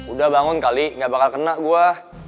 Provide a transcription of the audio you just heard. udah bangun kali gak bakal kena gue